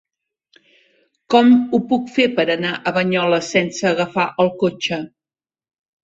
Com ho puc fer per anar a Banyoles sense agafar el cotxe?